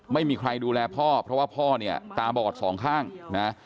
ไม่มีใครดูแลพ่อเพราะว่าพ่อเนี่ยตาบอดสองข้างนะ